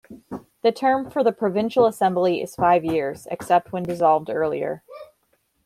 The term for the Provincial Assembly is five years, except when dissolved earlier.